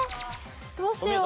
どうしよう？